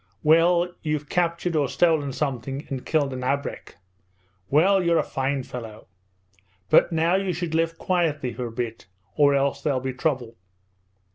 Well, you've captured or stolen something and killed an abrek! Well, you're a fine fellow! But now you should live quietly for a bit, or else there'll be trouble."'